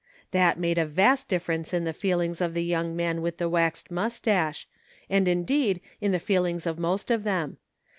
It made a vast difference in the PROGRESS. 241 feelings of the young man with the waxed mus tache, and indeed in the feeUngs of most of them.